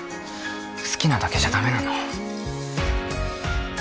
好きなだけじゃダメなの？